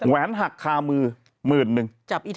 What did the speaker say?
แหนหักคามือหมื่นนึง